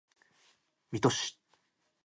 水戸市